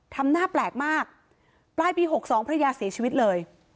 ทำหน้าแปลกมากปลายปี๖๒ภรรยาเสียชีวิตเลย